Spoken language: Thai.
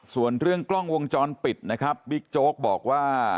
ส่วนเรื่องกล้องวงจรปิดนะครับบิ๊กโจ๊กบอกว่า